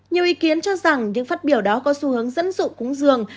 nhiều ý kiến cho rằng những phát biểu đó có xu hướng dẫn dụ cúng dường